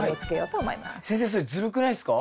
先生それずるくないすか？